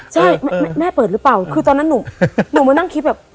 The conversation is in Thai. ใช่แม่เปิดหรือเปล่าคือตอนนั้นหนูมานั่งคิดแบบ